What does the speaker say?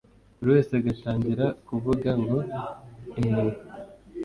buri wese agatangira kuvuga ngo eeee